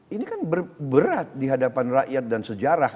ini kan berat di hadapan rakyat dan sejarah